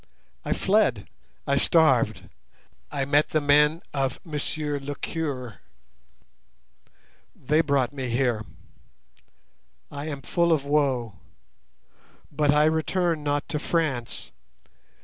I fled, I starved. I met the men of Monsieur le Curé. They brought me here. I am full of woe. But I return not to France.